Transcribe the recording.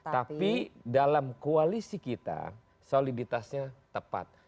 tapi dalam koalisi kita soliditasnya tepat